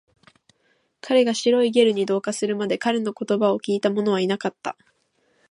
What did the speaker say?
彼が白いゲルに同化するまで、彼の言葉を聞いたものはいなかった